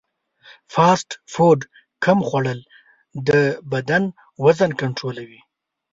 فاسټ فوډ کم خوړل د بدن وزن کنټرولوي.